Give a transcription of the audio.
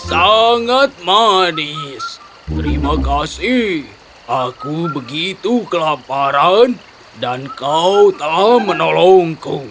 sangat manis terima kasih aku begitu kelaparan dan kau telah menolongku